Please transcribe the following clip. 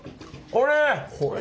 これ！